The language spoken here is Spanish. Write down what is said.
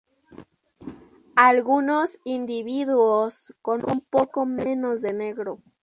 Alguno individuos con un poco menos de negro.